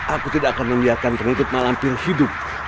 aku tidak akan membiarkan penutup malam pilih hidup